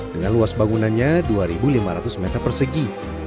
dengan luas bangunannya dua lima ratus meter persegi